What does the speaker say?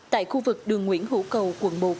tại khu vực đường nguyễn hữu cầu quận một